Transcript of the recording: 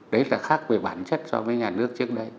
đấy là khác về bản chất so với nhà nước trước đây